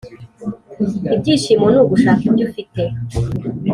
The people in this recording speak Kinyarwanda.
ibyishimo ni ugushaka ibyo ufite